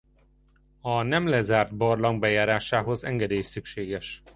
A nem lezárt barlang bejárásához engedély szükséges.